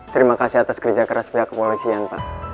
terima kasih atas kerja keras pihak kepolisian pak